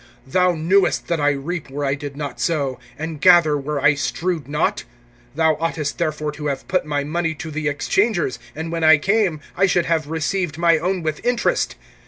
Thou knewest that I reap where I did not sow, and gather where I strewed not? (27)Thou oughtest therefore to have put my money to the exchangers; and when I came, I should have received my own with interest.